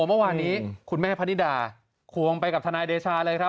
เมื่อวานคุณแม่พะนิดาควงไปกับธนายดิชา